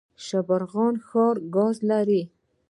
شبرغان ښار ګاز لري؟